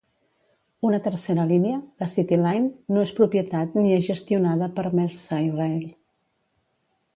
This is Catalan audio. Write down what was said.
Una tercera línia, la City Line, no és propietat ni és gestionada per Merseyrail.